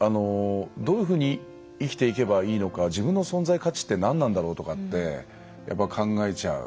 どういうふうに生きていけばいいのか自分の存在価値って何なんだろうとかってやっぱ考えちゃう。